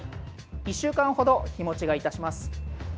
１週間ほど日持ちがいたします。